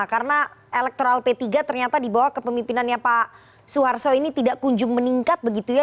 karena elektoral p tiga ternyata dibawa ke pemimpinannya pak suharto ini tidak kunjung meningkat begitu ya